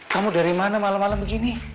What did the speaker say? kamu dari mana malam malam begini